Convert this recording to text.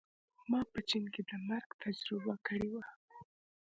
ما په چین کې د مرګ تجربه کړې وه